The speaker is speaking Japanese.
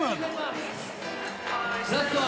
ラストは。